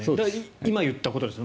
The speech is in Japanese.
今言ったことですよね。